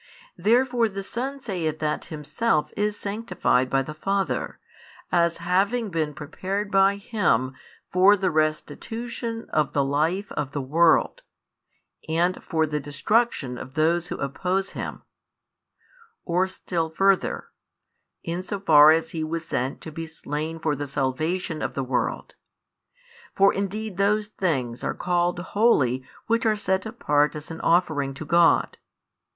Therefore the Son saith that Himself is sanctified by the Father, as having been prepared by Him for the restitution of the life of the world, and for the destruction of those who oppose Him; or still further, in so far as He was sent to be slain for the salvation of the world; for indeed those things are called holy which are set apart as an offering to God.